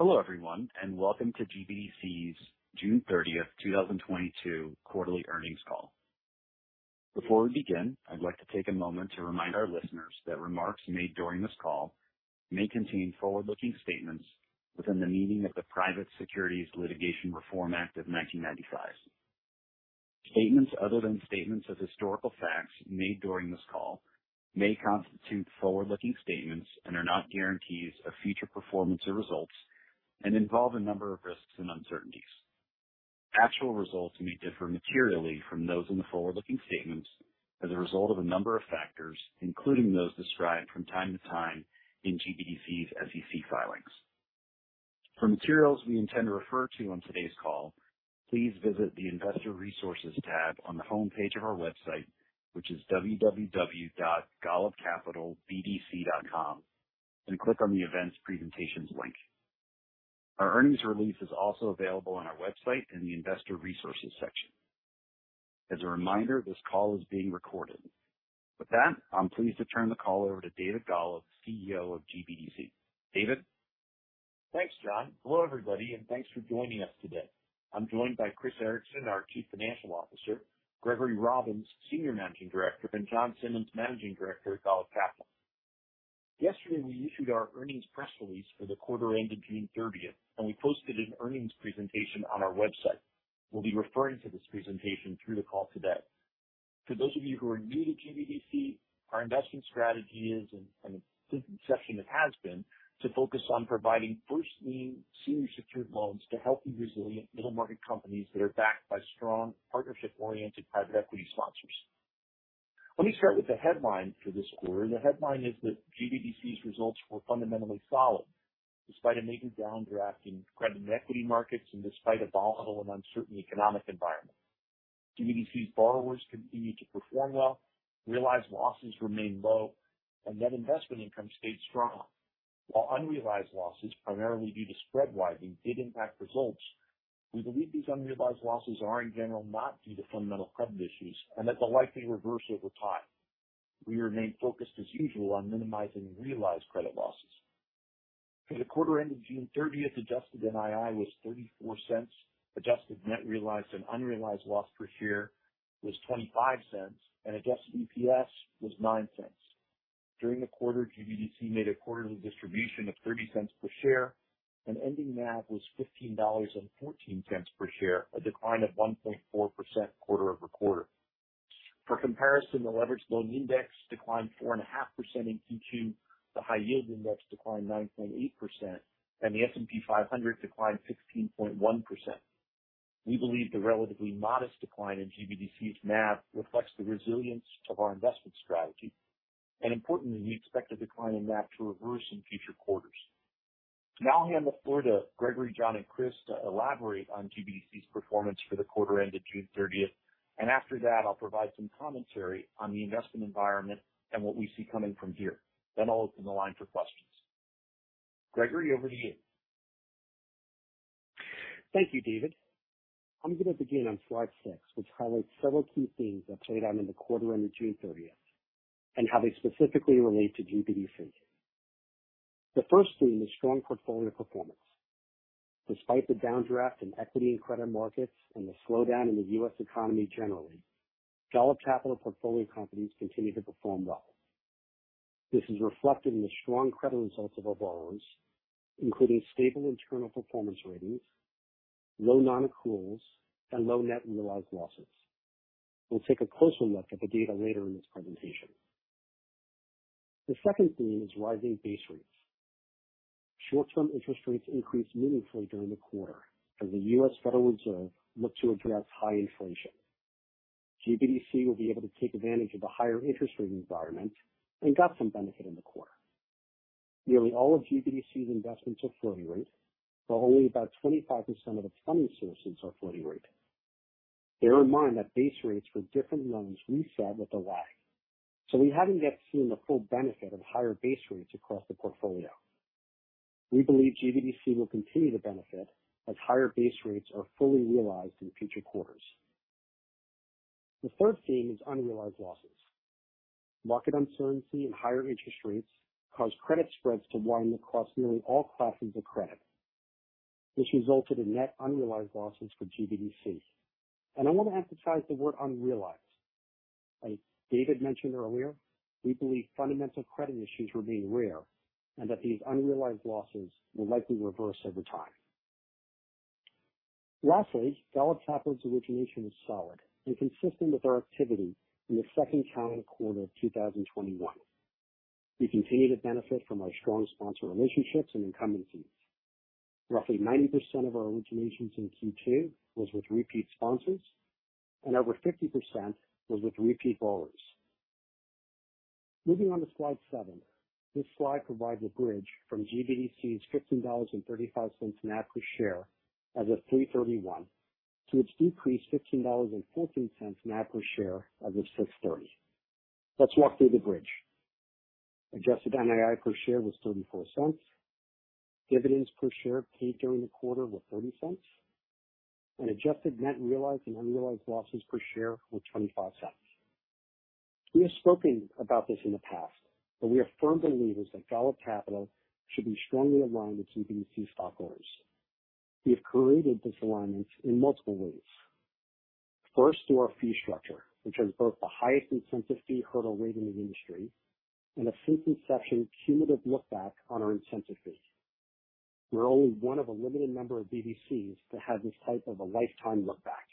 Hello everyone, and welcome to GBDC's June 30, 2022 quarterly earnings call. Before we begin, I'd like to take a moment to remind our listeners that remarks made during this call may contain forward-looking statements within the meaning of the Private Securities Litigation Reform Act of 1995. Statements other than statements of historical facts made during this call may constitute forward-looking statements and are not guarantees of future performance or results and involve a number of risks and uncertainties. Actual results may differ materially from those in the forward-looking statements as a result of a number of factors, including those described from time to time in GBDC's SEC filings. For materials we intend to refer to on today's call, please visit the Investor Resources tab on the homepage of our website, which is www.golubcapitalbdc.com, and click on the Events & Presentations link. Our earnings release is also available on our website in the Investor Resources section. As a reminder, this call is being recorded. With that, I'm pleased to turn the call over to David Golub, CEO of GBDC. David? Thanks, John. Hello, everybody, and thanks for joining us today. I'm joined by Chris Ericson, our Chief Financial Officer, Gregory Robbins, Senior Managing Director, and Jon Simmons, Managing Director at Golub Capital. Yesterday, we issued our earnings press release for the quarter ending June 30, and we posted an earnings presentation on our website. We'll be referring to this presentation through the call today. For those of you who are new to GBDC, our investment strategy is and has been to focus on providing first lien senior secured loans to healthy, resilient middle market companies that are backed by strong partnership-oriented private equity sponsors. Let me start with the headline for this quarter. The headline is that GBDC's results were fundamentally solid despite a major downdraft in credit and equity markets and despite a volatile and uncertain economic environment. GBDC's borrowers continued to perform well, realized losses remained low, and net investment income stayed strong. While unrealized losses, primarily due to spread widening, did impact results, we believe these unrealized losses are, in general, not due to fundamental credit issues and that they'll likely reverse over time. We remain focused as usual on minimizing realized credit losses. For the quarter ending June 30, adjusted NII was $0.34, adjusted net realized and unrealized loss per share was $0.25, and adjusted EPS was $0.09. During the quarter, GBDC made a quarterly distribution of $0.30 per share, and ending NAV was $15.14 per share, a decline of 1.4% quarter-over-quarter. For comparison, the leveraged loan index declined 4.5% in Q2, the high yield index declined 9.8%, and the S&P 500 declined 16.1%. We believe the relatively modest decline in GBDC's NAV reflects the resilience of our investment strategy. Importantly, we expect the decline in NAV to reverse in future quarters. Now I'll hand the floor to Gregory, Jon, and Chris to elaborate on GBDC's performance for the quarter ended June 30. After that, I'll provide some commentary on the investment environment and what we see coming from here. I'll open the line for questions. Gregory, over to you. Thank you, David. I'm going to begin on slide 6, which highlights several key themes that played out in the quarter ended June 30 and how they specifically relate to GBDC. The first theme is strong portfolio performance. Despite the downdraft in equity and credit markets and the slowdown in the U.S. economy generally, Golub Capital portfolio companies continue to perform well. This is reflected in the strong credit results of our borrowers, including stable internal performance ratings, low non-accruals, and low net realized losses. We'll take a closer look at the data later in this presentation. The second theme is rising base rates. Short-term interest rates increased meaningfully during the quarter as the Federal Reserve System looked to address high inflation. GBDC will be able to take advantage of the higher interest rate environment and got some benefit in the quarter. Nearly all of GBDC's investments are floating rate, though only about 25% of its funding sources are floating rate. Bear in mind that base rates for different loans reset with a lag, so we haven't yet seen the full benefit of higher base rates across the portfolio. We believe GBDC will continue to benefit as higher base rates are fully realized in future quarters. The third theme is unrealized losses. Market uncertainty and higher interest rates caused credit spreads to widen across nearly all classes of credit. This resulted in net unrealized losses for GBDC. I want to emphasize the word unrealized. Like David mentioned earlier, we believe fundamental credit issues remain rare and that these unrealized losses will likely reverse over time. Lastly, Golub Capital's origination was solid and consistent with our activity in the second calendar quarter of 2021. We continue to benefit from our strong sponsor relationships and incumbency. Roughly 90% of our originations in Q2 was with repeat sponsors, and over 50% was with repeat borrowers. Moving on to slide 7. This slide provides a bridge from GBDC's $15.35 NAV per share as of 3/31 to its decreased $15.14 NAV per share as of 6/30. Let's walk through the bridge. Adjusted NII per share was $0.34. Dividends per share paid during the quarter were $0.30. Adjusted net realized and unrealized losses per share were $0.25. We have spoken about this in the past, but we are firm believers that Golub Capital should be strongly aligned with GBDC stockholders. We have created this alignment in multiple ways. First, through our fee structure, which has both the highest incentive fee hurdle rate in the industry and a since inception cumulative look back on our incentive fee. We're only one of a limited number of BDCs that have this type of a lifetime look back.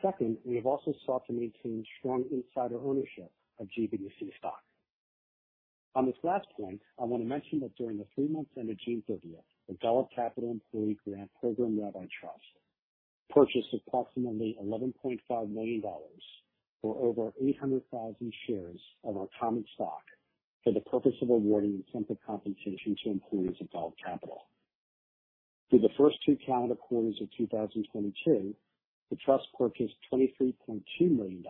Second, we have also sought to maintain strong insider ownership of GBDC stock. On this last point, I want to mention that during the three months ended June 30, the Golub Capital Employee Grant Program Rabbi Trust purchased approximately $11.5 million for over 800,000 shares of our common stock for the purpose of awarding incentive compensation to employees of Golub Capital. Through the first two calendar quarters of 2022, the trust purchased $23.2 million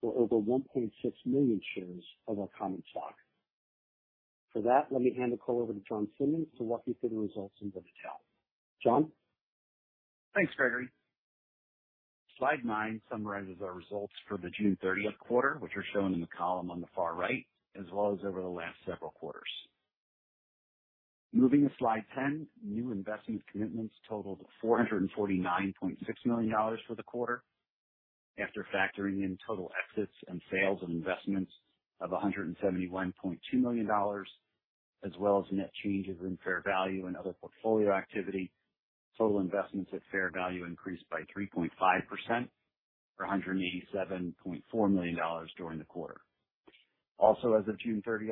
for over 1.6 million shares of our common stock. For that, let me hand the call over to Jon Simmons to walk you through the results in more detail. Jon. Thanks, Gregory. Slide 9 summarizes our results for the June 30 quarter, which are shown in the column on the far right as well as over the last several quarters. Moving to slide 10, new investment commitments totaled $449.6 million for the quarter. After factoring in total exits and sales of investments of $171.2 million, as well as net change in fair value and other portfolio activity, total investments at fair value increased by 3.5% to $187.4 million during the quarter. Also as of June 30,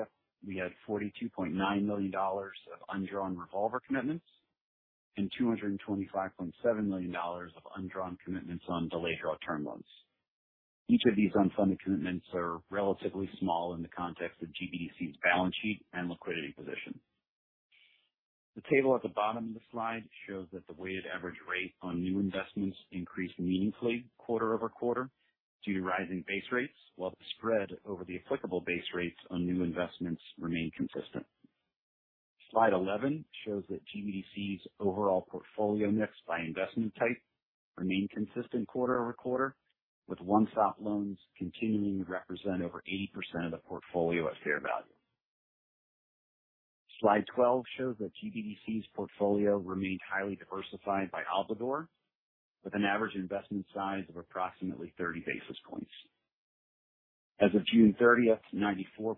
we had $42.9 million of undrawn revolver commitments and $225.7 million of undrawn commitments on delayed draw term loans. Each of these unfunded commitments are relatively small in the context of GBDC's balance sheet and liquidity position. The table at the bottom of the slide shows that the weighted average rate on new investments increased meaningfully quarter-over-quarter due to rising base rates, while the spread over the applicable base rates on new investments remained consistent. Slide 11 shows that GBDC's overall portfolio mix by investment type remained consistent quarter-over-quarter, with One Stop loans continuing to represent over 80% of the portfolio at fair value. Slide 12 shows that GBDC's portfolio remained highly diversified by obligor, with an average investment size of approximately 30 basis points. As of June 30, 94%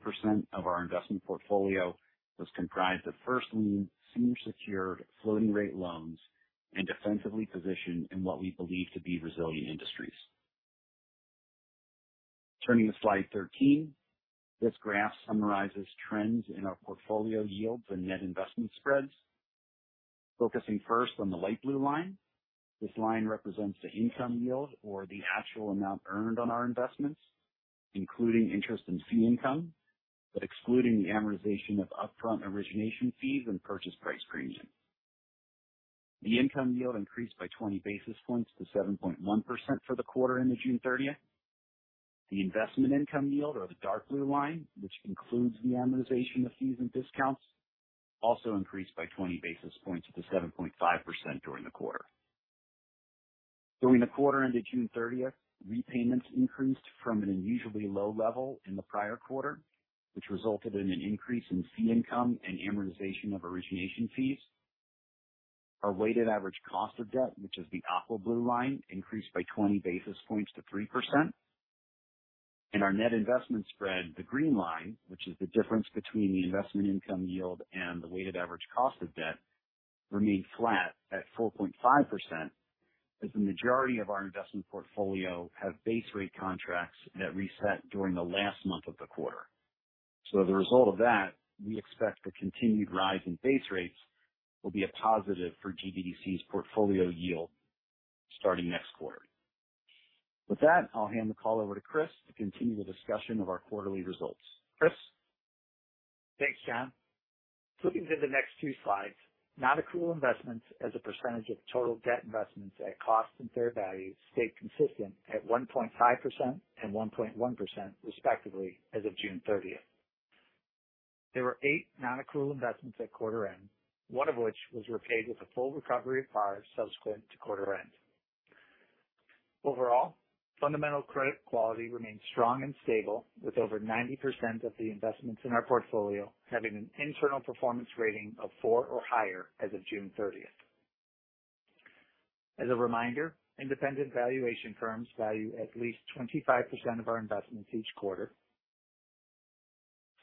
of our investment portfolio was comprised of first lien, senior secured floating rate loans and defensively positioned in what we believe to be resilient industries. Turning to slide 13, this graph summarizes trends in our portfolio yields and net investment spreads. Focusing first on the light blue line, this line represents the income yield or the actual amount earned on our investments, including interest and fee income, but excluding the amortization of upfront origination fees and purchase price premium. The income yield increased by 20 basis points to 7.1% for the quarter ending June thirtieth. The investment income yield or the dark blue line, which includes the amortization of fees and discounts, also increased by 20 basis points to 7.5% during the quarter. During the quarter ending June thirtieth, repayments increased from an unusually low level in the prior quarter, which resulted in an increase in fee income and amortization of origination fees. Our weighted average cost of debt, which is the aqua blue line, increased by 20 basis points to 3%. Our net investment spread, the green line, which is the difference between the investment income yield and the weighted average cost of debt, remained flat at 4.5% as the majority of our investment portfolio have base rate contracts that reset during the last month of the quarter. As a result of that, we expect the continued rise in base rates will be a positive for GBDC's portfolio yield starting next quarter. With that, I'll hand the call over to Chris to continue the discussion of our quarterly results. Chris. Thanks, Jon. Looking to the next two slides, non-accrual investments as a percentage of total debt investments at cost and fair value stayed consistent at 1.5% and 1.1% respectively as of June 30. There were eight non-accrual investments at quarter end, one of which was repaid with a full recovery of principal subsequent to quarter end. Overall, fundamental credit quality remains strong and stable, with over 90% of the investments in our portfolio having an internal performance rating of four or higher as of June 30. As a reminder, independent valuation firms value at least 25% of our investments each quarter.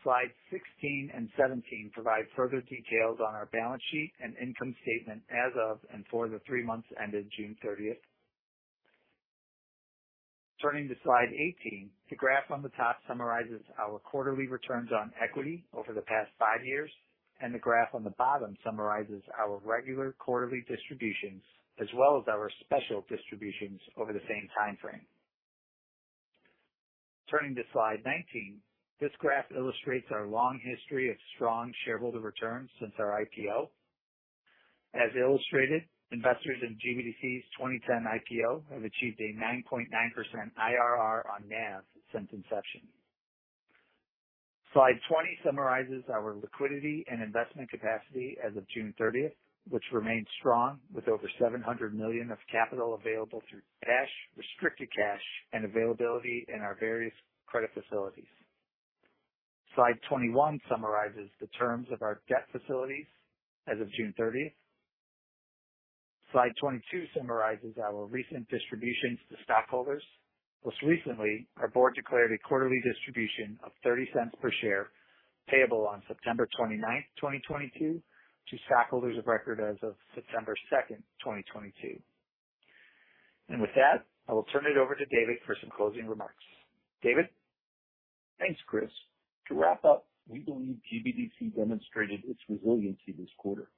Slide 16 and 17 provide further details on our balance sheet and income statement as of and for the three months ending June 30. Turning to slide 18, the graph on the top summarizes our quarterly returns on equity over the past five years, and the graph on the bottom summarizes our regular quarterly distributions as well as our special distributions over the same time frame. Turning to slide 19, this graph illustrates our long history of strong shareholder returns since our IPO. As illustrated, investors in GBDC's 2010 IPO have achieved a 9.9% IRR on NAV since inception. Slide 20 summarizes our liquidity and investment capacity as of June 30, which remains strong with over $700 million of capital available through cash, restricted cash and availability in our various credit facilities. Slide 21 summarizes the terms of our debt facilities as of June 30. Slide 22 summarizes our recent distributions to stockholders. Most recently, our board declared a quarterly distribution of $0.30 per share payable on September 29, 2022 to stockholders of record as of September 2, 2022. With that, I will turn it over to David for some closing remarks. David. Thanks, Chris. To wrap up, we believe GBDC demonstrated its resiliency this quarter.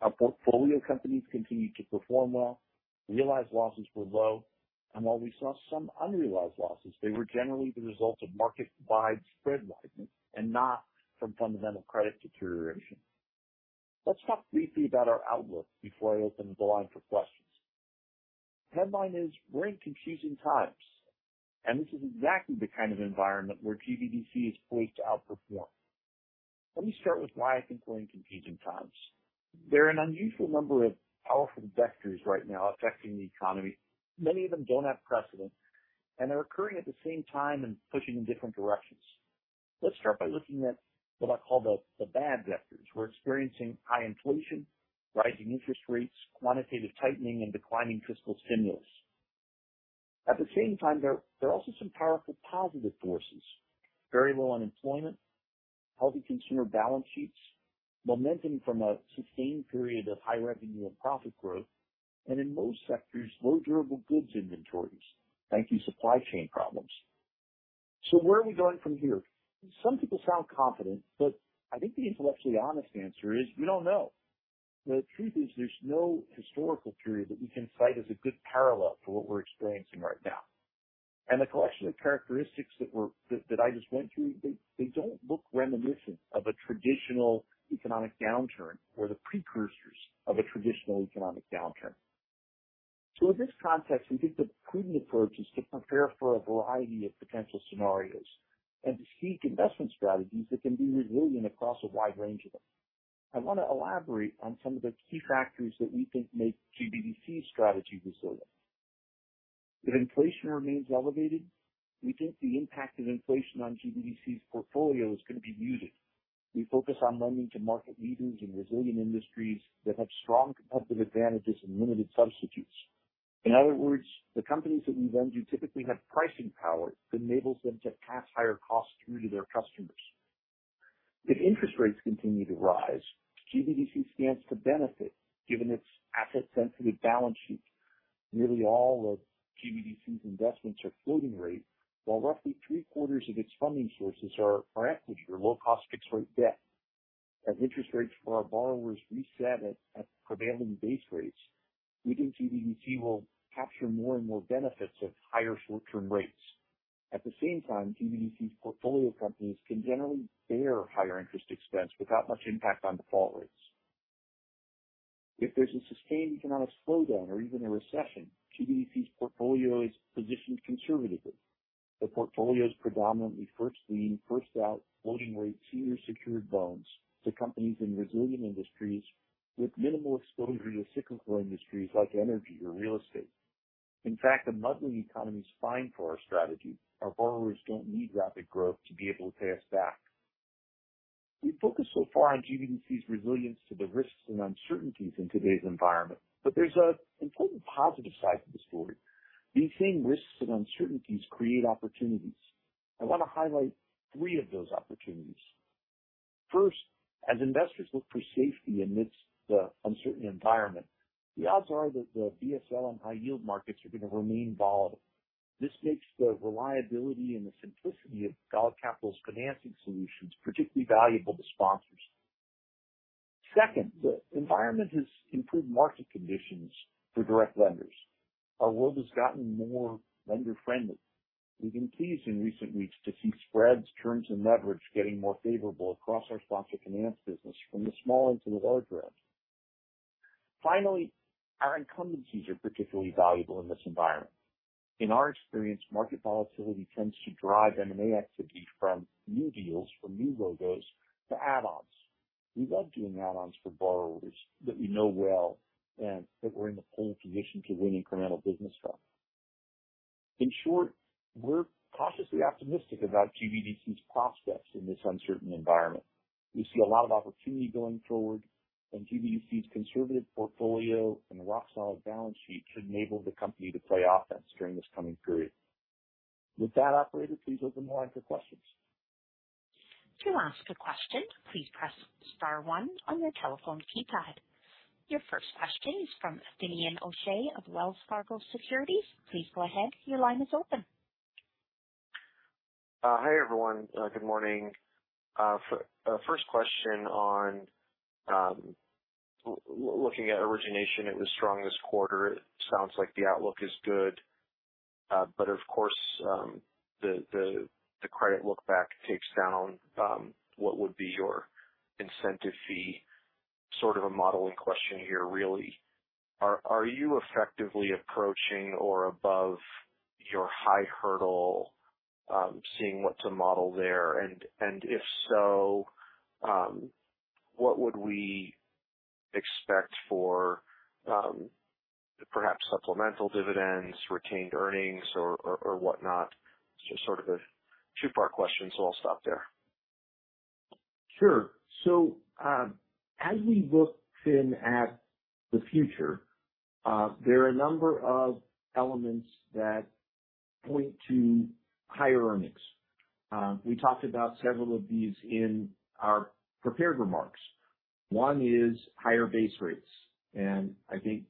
Our portfolio companies continued to perform well, realized losses were low, and while we saw some unrealized losses, they were generally the result of market-wide spread widening and not from fundamental credit deterioration. Let's talk briefly about our outlook before I open the line for questions. Headline is: We're in confusing times, and this is exactly the kind of environment where GBDC is poised to outperform. Let me start with why I think we're in confusing times. There are an unusual number of powerful vectors right now affecting the economy. Many of them don't have precedent, and they're occurring at the same time and pushing in different directions. Let's start by looking at what I call the bad vectors. We're experiencing high inflation, rising interest rates, quantitative tightening, and declining fiscal stimulus. At the same time, there are also some powerful positive forces. Very low unemployment, healthy consumer balance sheets, momentum from a sustained period of high revenue and profit growth, and in most sectors, low durable goods inventories. Thanks to supply chain problems. Where are we going from here? Some people sound confident, but I think the intellectually honest answer is we don't know. The truth is there's no historical period that we can cite as a good parallel for what we're experiencing right now. The collection of characteristics that I just went through, they don't look reminiscent of a traditional economic downturn or the precursors of a traditional economic downturn. In this context, we think the prudent approach is to prepare for a variety of potential scenarios and to seek investment strategies that can be resilient across a wide range of them. I wanna elaborate on some of the key factors that we think make GBDC's strategy resilient. If inflation remains elevated, we think the impact of inflation on GBDC's portfolio is gonna be muted. We focus on lending to market leaders in resilient industries that have strong competitive advantages and limited substitutes. In other words, the companies that we lend to typically have pricing power that enables them to pass higher costs through to their customers. If interest rates continue to rise, GBDC stands to benefit given its asset-sensitive balance sheet. Nearly all of GBDC's investments are floating rate, while roughly three-quarters of its funding sources are equity or low cost fixed rate debt. As interest rates for our borrowers reset at prevailing base rates, we think GBDC will capture more and more benefits of higher short-term rates. At the same time, GBDC's portfolio companies can generally bear higher interest expense without much impact on default rates. If there's a sustained economic slowdown or even a recession, GBDC's portfolio is positioned conservatively. The portfolio is predominantly first lien, first out floating rate, senior secured loans to companies in resilient industries with minimal exposure to cyclical industries like energy or real estate. In fact, a muddling economy is fine for our strategy. Our borrowers don't need rapid growth to be able to pay us back. We've focused so far on GBDC's resilience to the risks and uncertainties in today's environment, but there's an important positive side to the story. These same risks and uncertainties create opportunities. I wanna highlight three of those opportunities. First, as investors look for safety amidst the uncertain environment, the odds are that the BSL and high yield markets are gonna remain volatile. This makes the reliability and the simplicity of Golub Capital's financing solutions particularly valuable to sponsors. Second, the environment has improved market conditions for direct lenders. Our world has gotten more lender-friendly. We've been pleased in recent weeks to see spreads, terms and leverage getting more favorable across our sponsor finance business from the small end to the large end. Finally, our incumbencies are particularly valuable in this environment. In our experience, market volatility tends to drive M&A activity from new deals, from new logos to add-ons. We love doing add-ons for borrowers that we know well and that we're in the pole position to win incremental business from. In short, we're cautiously optimistic about GBDC's prospects in this uncertain environment. We see a lot of opportunity going forward, and GBDC's conservative portfolio and rock-solid balance sheet should enable the company to play offense during this coming period. With that, operator, please open the line for questions. To ask a question, please press star one on your telephone keypad. Your first question is from Finian O'Shea of Wells Fargo Securities. Please go ahead. Your line is open. Hi, everyone. Good morning. First question on looking at origination, it was strong this quarter. It sounds like the outlook is good. But of course, the credit look-back takes down what would be your incentive fee. Sort of a modeling question here, really. Are you effectively approaching or above your high hurdle, seeing what to model there? If so, what would we expect for perhaps supplemental dividends, retained earnings or whatnot? It's just sort of a two-part question, so I'll stop there. Sure. As we look, Finn, at the future, there are a number of elements that point to higher earnings. We talked about several of these in our prepared remarks. One is higher base rates, and I think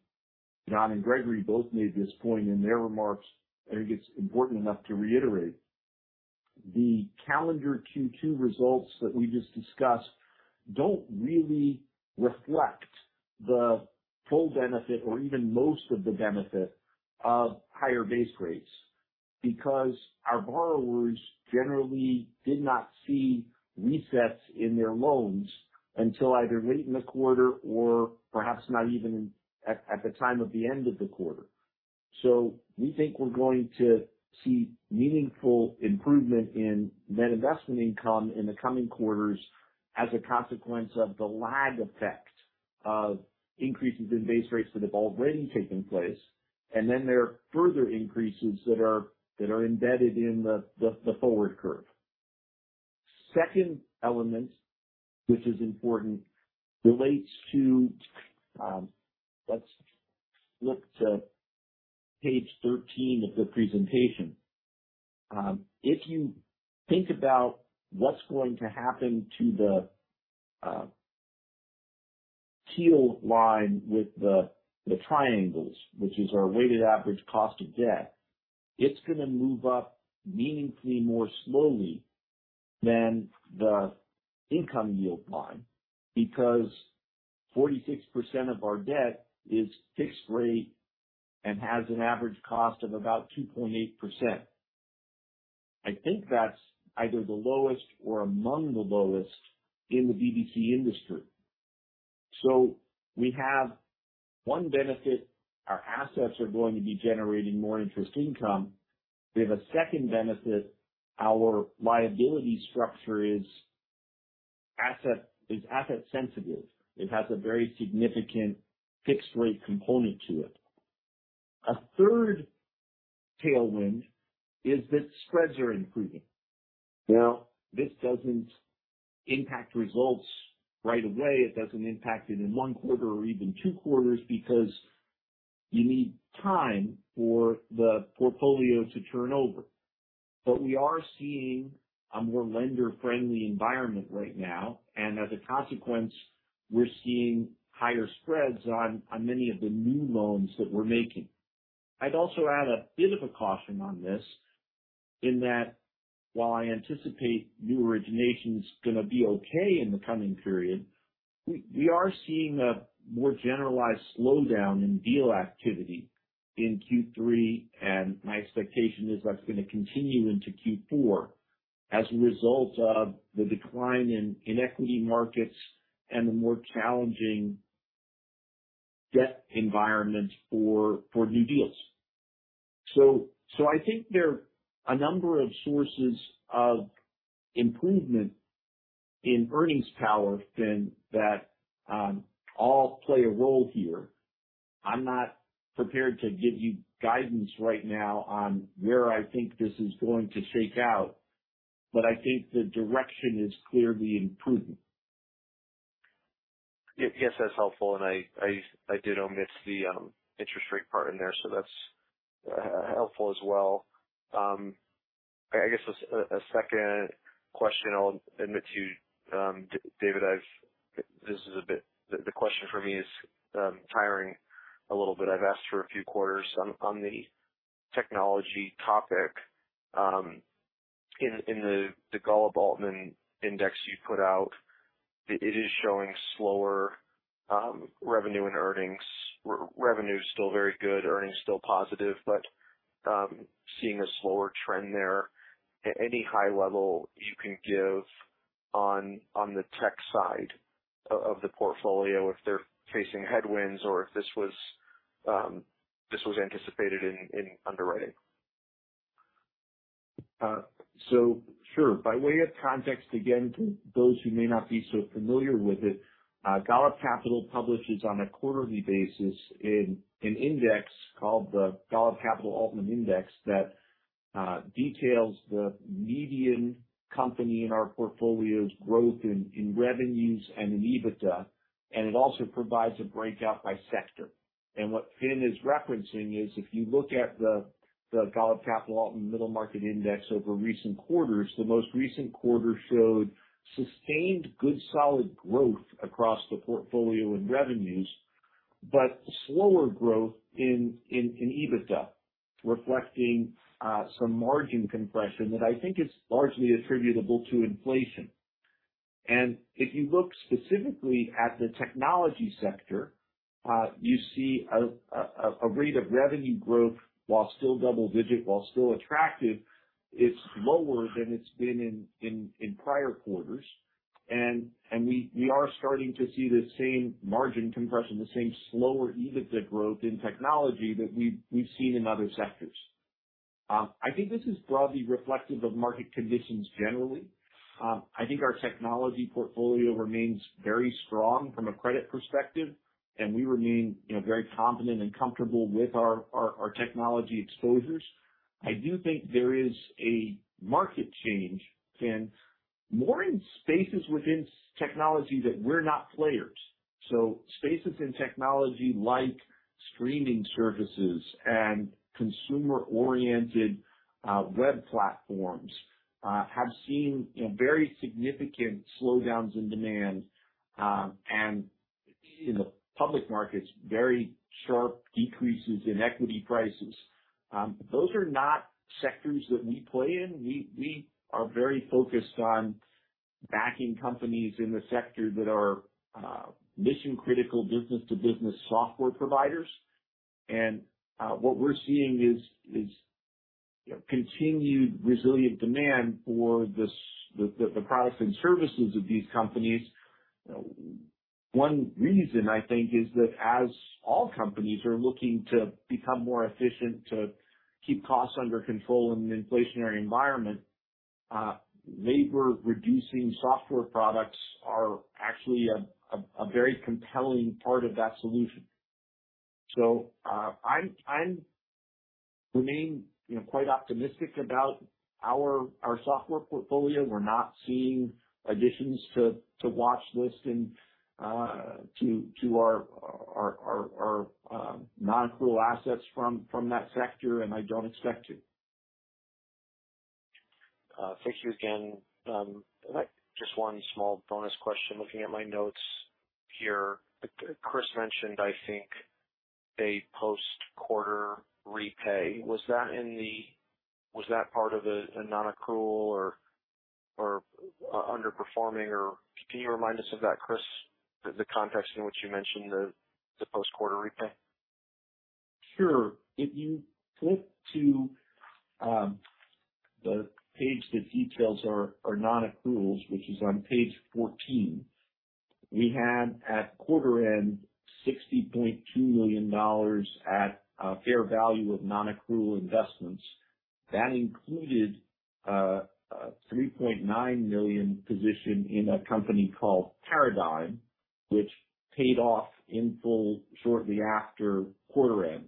John and Gregory both made this point in their remarks, and I think it's important enough to reiterate. The calendar Q2 results that we just discussed don't really reflect the full benefit or even most of the benefit of higher base rates because our borrowers generally did not see resets in their loans until either late in the quarter or perhaps not even at the time of the end of the quarter. We think we're going to see meaningful improvement in net investment income in the coming quarters as a consequence of the lag effect of increases in base rates that have already taken place. There are further increases that are embedded in the forward curve. Second element which is important relates to, let's look to page 13 of the presentation. If you think about what's going to happen to the teal line with the triangles, which is our weighted average cost of debt, it's gonna move up meaningfully more slowly than the income yield line because 46% of our debt is fixed rate and has an average cost of about 2.8%. I think that's either the lowest or among the lowest in the BDC industry. We have one benefit. Our assets are going to be generating more interest income. We have a second benefit. Our liability structure is asset sensitive. It has a very significant fixed rate component to it. A third tailwind is that spreads are improving. Now, this doesn't impact results right away. It doesn't impact it in 1 quarter or even 2 quarters because you need time for the portfolio to turn over. We are seeing a more lender-friendly environment right now, and as a consequence, we're seeing higher spreads on many of the new loans that we're making. I'd also add a bit of a caution on this in that while I anticipate new originations gonna be okay in the coming period, we are seeing a more generalized slowdown in deal activity in Q3, and my expectation is that's gonna continue into Q4 as a result of the decline in equity markets and the more challenging debt environment for new deals. I think there are a number of sources of improvement in earnings power, Finn, that all play a role here. I'm not prepared to give you guidance right now on where I think this is going to shake out, but I think the direction is clearly improving. Yes, that's helpful. I did omit the interest rate part in there, so that's helpful as well. I guess a second question I'll admit to, David. The question for me is tiring a little bit. I've asked for a few quarters on the technology topic. In the Golub Altman Index you put out, it is showing slower revenue and earnings. Revenue is still very good, earnings still positive, but seeing a slower trend there. Any high level you can give on the tech side of the portfolio, if they're facing headwinds or if this was anticipated in underwriting. Sure. By way of context, again, to those who may not be so familiar with it, Golub Capital publishes on a quarterly basis an index called the Golub Capital Altman Index that details the median company in our portfolio's growth in revenues and in EBITDA, and it also provides a breakout by sector. What Finn is referencing is if you look at the Golub Capital Altman Middle Market Index over recent quarters, the most recent quarter showed sustained good, solid growth across the portfolio in revenues, but slower growth in EBITDA, reflecting some margin compression that I think is largely attributable to inflation. If you look specifically at the technology sector, you see a rate of revenue growth while still double digit, while still attractive. It's lower than it's been in prior quarters. We are starting to see the same margin compression, the same slower EBITDA growth in technology that we've seen in other sectors. I think this is broadly reflective of market conditions generally. I think our technology portfolio remains very strong from a credit perspective, and we remain, you know, very confident and comfortable with our technology exposures. I do think there is a market change, and more in spaces within SaaS technology that we're not players. Spaces in technology like streaming services and consumer-oriented web platforms have seen, you know, very significant slowdowns in demand, and in the public markets, very sharp decreases in equity prices. Those are not sectors that we play in. We are very focused on backing companies in the sector that are mission critical business-to-business software providers. What we're seeing is, you know, continued resilient demand for the products and services of these companies. One reason I think is that as all companies are looking to become more efficient to keep costs under control in an inflationary environment, labor reducing software products are actually a very compelling part of that solution. I remain, you know, quite optimistic about our software portfolio. We're not seeing additions to watchlist and to our non-accrual assets from that sector, and I don't expect to. Thank you again. I'd like just one small bonus question. Looking at my notes here. Chris mentioned, I think, a post quarter repay. Was that part of a non-accrual or underperforming or can you remind us of that, Chris? The context in which you mentioned the post quarter repay? Sure. If you flip to the page that details our non-accruals, which is on page 14, we had at quarter end $60.2 million at fair value of non-accrual investments. That included a $3.9 million position in a company called Paradigm, which paid off in full shortly after quarter end.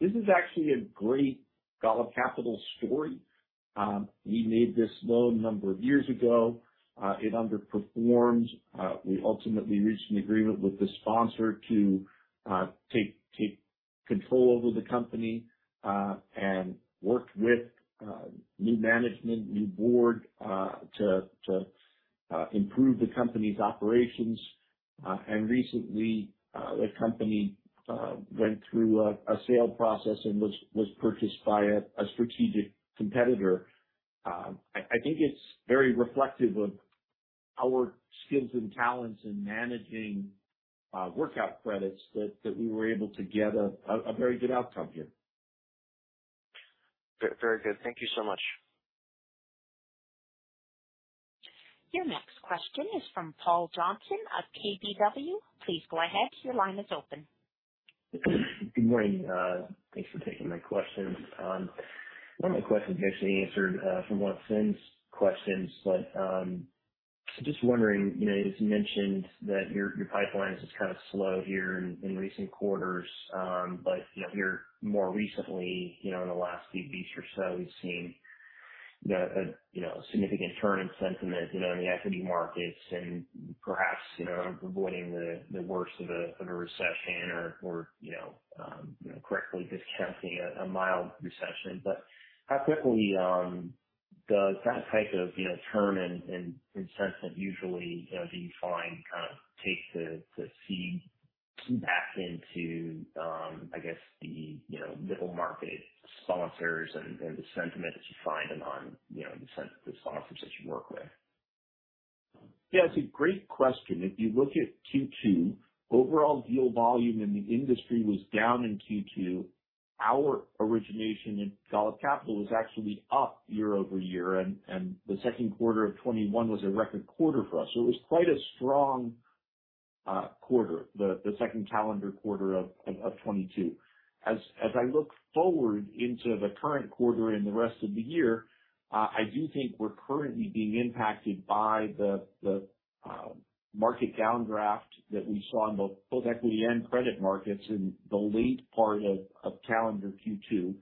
This is actually a great Golub Capital story. We made this loan a number of years ago. It underperformed. We ultimately reached an agreement with the sponsor to take control over the company and worked with new management, new board to improve the company's operations. Recently, the company went through a sale process and was purchased by a strategic competitor. I think it's very reflective of our skills and talents in managing workout credits that we were able to get a very good outcome here. Very good. Thank you so much. Your next question is from Paul Johnson of KBW. Please go ahead. Your line is open. Good morning. Thanks for taking my questions. One of my questions basically answered from Finian O'Shea's questions. Just wondering, you know, as you mentioned that your pipeline is just kind of slow here in recent quarters. You know, here more recently, you know, in the last few weeks or so, we've seen a significant turn in sentiment, you know, in the equity markets and perhaps, you know, avoiding the worst of a recession or, you know, correctly discounting a mild recession. How quickly does that type of, you know, turn in sentiment usually, you know, do you find kind of take to seep back into, I guess the, you know, middle market sponsors and the sentiment that you find among, you know, the sponsors that you work with? Yeah, it's a great question. If you look at Q2, overall deal volume in the industry was down in Q2. Our origination in Golub Capital was actually up year-over-year. The second quarter of 2021 was a record quarter for us. It was quite a strong quarter, the second calendar quarter of 2022. As I look forward into the current quarter and the rest of the year, I do think we're currently being impacted by the market downdraft that we saw in both equity and credit markets in the late part of calendar Q2.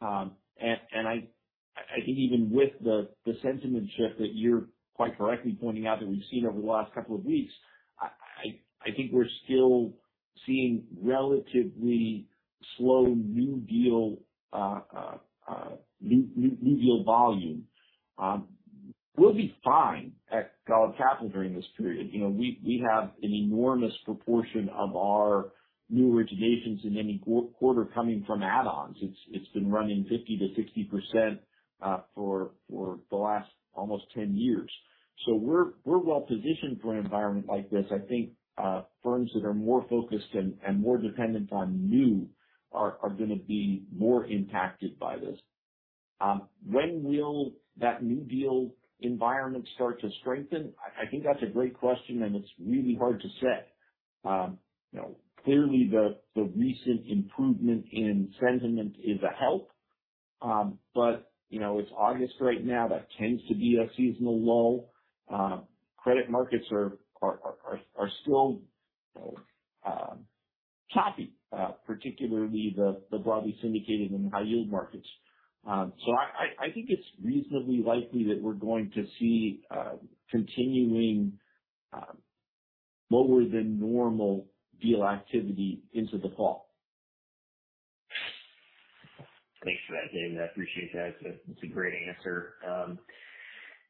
I think even with the sentiment shift that you're quite correctly pointing out that we've seen over the last couple of weeks, I think we're still seeing relatively slow new deal volume. We'll be fine at Golub Capital during this period. We have an enormous proportion of our new originations in any quarter coming from add-ons. It's been running 50%-60% for the last almost 10 years. We're well positioned for an environment like this. I think firms that are more focused and more dependent on new are gonna be more impacted by this. When will that new deal environment start to strengthen? I think that's a great question, and it's really hard to say. You know, clearly the recent improvement in sentiment is a help. You know, it's August right now. That tends to be a seasonal lull. Credit markets are still choppy, particularly the broadly syndicated and high yield markets. I think it's reasonably likely that we're going to see continuing lower than normal deal activity into the fall. Thanks for that, David. I appreciate that. It's a great answer.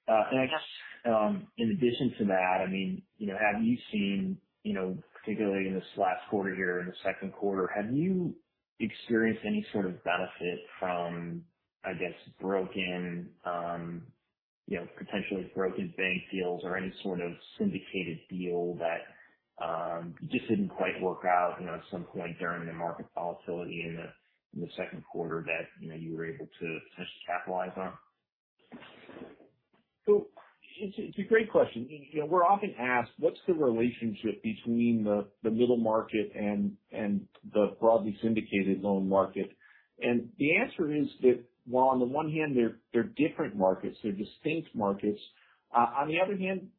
I guess, in addition to that, I mean, you know, have you seen, you know, particularly in this last quarter here, in the second quarter, have you experienced any sort of benefit from, I guess, broken, you know, potentially broken bank deals or any sort of syndicated deal that, just didn't quite work out, you know, at some point during the market volatility in the second quarter that, you know, you were able to potentially capitalize on? It's a great question. You know, we're often asked, "What's the relationship between the middle market and the broadly syndicated loan market?" The answer is that while on the one hand they're different markets, they're distinct markets, on the other hand,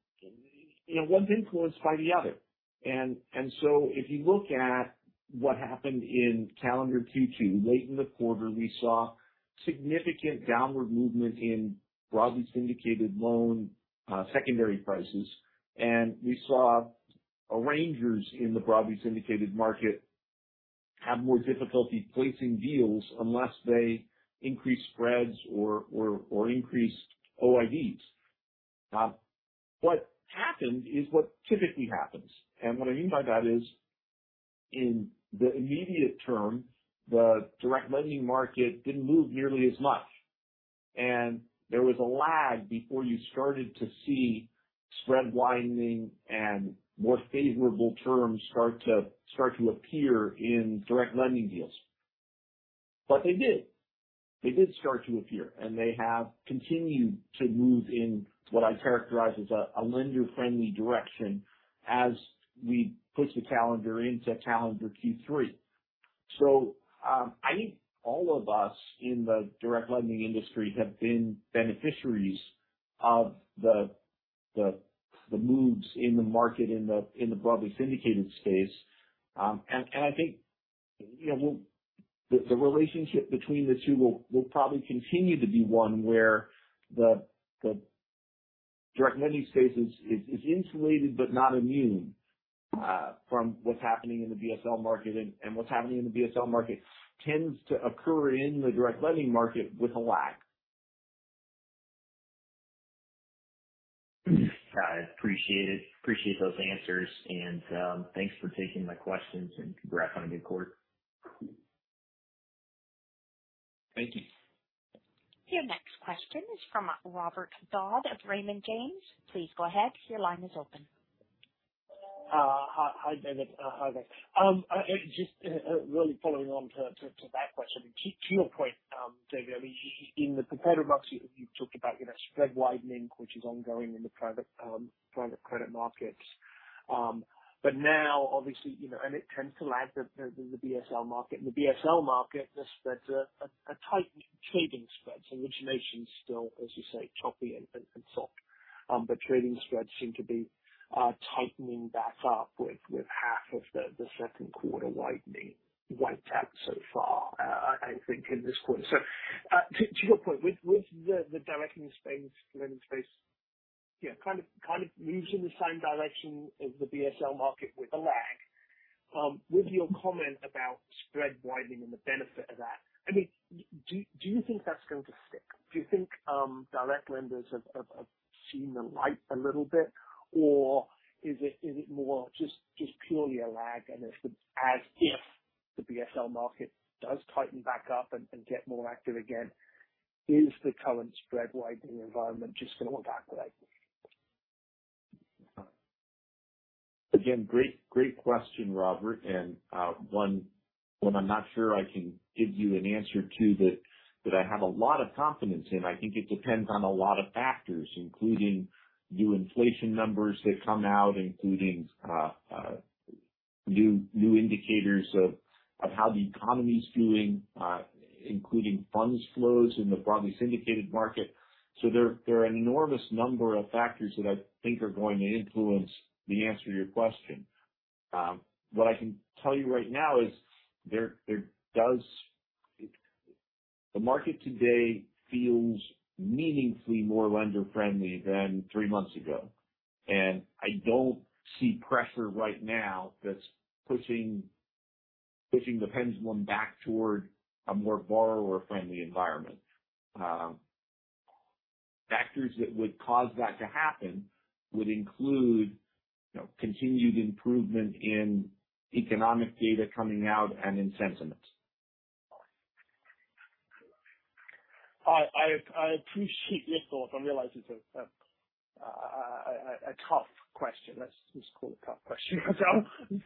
you know, one's influenced by the other. If you look at what happened in calendar Q2, late in the quarter, we saw significant downward movement in broadly syndicated loan secondary prices. We saw arrangers in the broadly syndicated market have more difficulty placing deals unless they increased spreads or increased OIDs. What happened is what typically happens. What I mean by that is, in the immediate term, the direct lending market didn't move nearly as much, and there was a lag before you started to see spread widening and more favorable terms start to appear in direct lending deals. They did start to appear, and they have continued to move in what I characterize as a lender-friendly direction as we push the calendar into calendar Q3. I think all of us in the direct lending industry have been beneficiaries of the moves in the market in the broadly syndicated space. I think, you know, the relationship between the two will probably continue to be one where the direct lending space is insulated but not immune from what's happening in the BSL market. What's happening in the BSL market tends to occur in the direct lending market with a lag. I appreciate it. Appreciate those answers and thanks for taking my questions, and congrats on a good quarter. Thank you. Your next question is from Robert Dodd of Raymond James. Please go ahead. Your line is open. Hi, David. Hi there. Just really following on to that question. To your point, David, I mean, in the competitive markets, you've talked about, you know, spread widening, which is ongoing in the private credit markets. Now obviously, you know, it tends to lag the BSL market. In the BSL market, trading spreads. Origination's still, as you say, choppy and soft. Trading spreads seem to be tightening back up with half of the second quarter widening wiped out so far, I think in this quarter. To your point, with the direct lending space, you know, kind of moves in the same direction as the BSL market with a lag. With your comment about spread widening and the benefit of that, I mean, do you think that's going to stick? Do you think direct lenders have seen the light a little bit, or is it more just purely a lag, and if the BSL market does tighten back up and get more active again, is the current spread widening environment just gonna look backward? Again, great question, Robert. One I'm not sure I can give you an answer to that I have a lot of confidence in. I think it depends on a lot of factors, including new inflation numbers that come out, including new indicators of how the economy's doing, including funds flows in the broadly syndicated market. There are an enormous number of factors that I think are going to influence the answer to your question. What I can tell you right now is the market today feels meaningfully more lender friendly than three months ago, and I don't see pressure right now that's pushing the pendulum back toward a more borrower friendly environment. Factors that would cause that to happen would include, you know, continued improvement in economic data coming out and in sentiments. I appreciate your thoughts. I realize it's a tough question. Let's call it a tough question.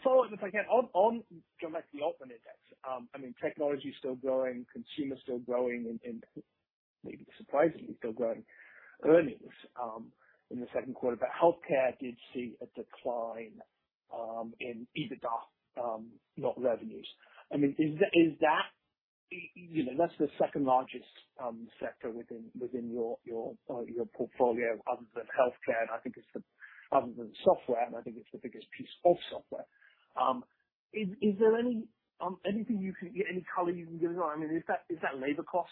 Follow up, if I can. On coming back to the Altman Index, I mean, technology's still growing, consumer's still growing, and maybe surprisingly still growing earnings in the second quarter. Healthcare did see a decline in EBITDA, not revenues. I mean, is that? You know, that's the second largest sector within your portfolio other than healthcare. I think it's the other than software, and I think it's the biggest piece of software. Is there anything, any color you can give us? I mean, is that labor costs,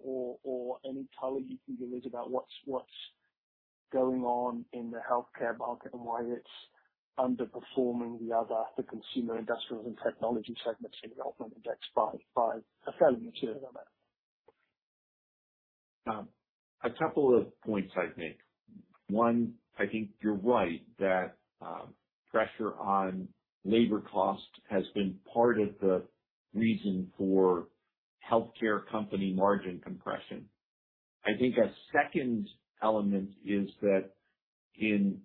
or any color you can give us about what's going on in the healthcare market and why it's underperforming the other consumer industrials and technology segments in the Altman Index by a fairly material amount? A couple of points I'd make. One, I think you're right that pressure on labor costs has been part of the reason for healthcare company margin compression. I think a second element is that in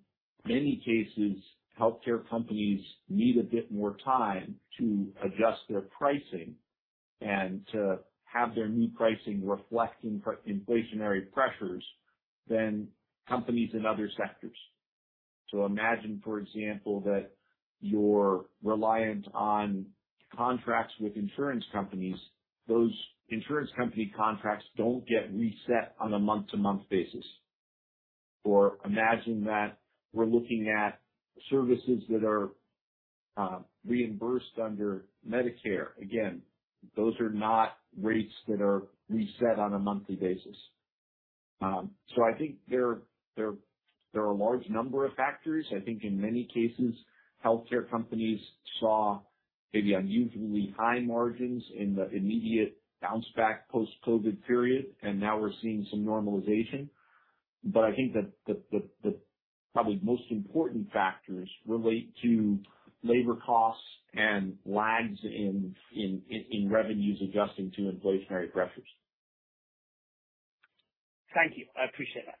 many cases, healthcare companies need a bit more time to adjust their pricing and to have their new pricing reflecting price inflationary pressures than companies in other sectors. Imagine, for example, that you're reliant on contracts with insurance companies. Those insurance company contracts don't get reset on a month-to-month basis. Or imagine that we're looking at services that are reimbursed under Medicare. Again, those are not rates that are reset on a monthly basis. I think there are a large number of factors. I think in many cases, healthcare companies saw maybe unusually high margins in the immediate bounce back post-COVID period, and now we're seeing some normalization. I think that the probably most important factors relate to labor costs and lags in revenues adjusting to inflationary pressures. Thank you. I appreciate that.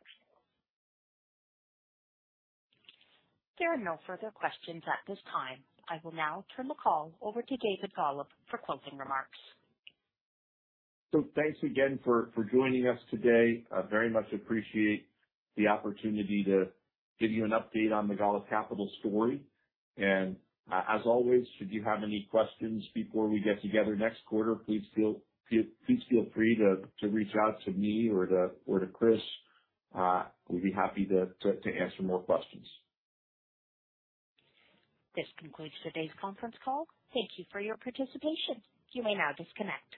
There are no further questions at this time. I will now turn the call over to David Golub for closing remarks. Thanks again for joining us today. I very much appreciate the opportunity to give you an update on the Golub Capital story. As always, should you have any questions before we get together next quarter, please feel free to reach out to me or to Chris. We'd be happy to answer more questions. This concludes today's conference call. Thank you for your participation. You may now disconnect.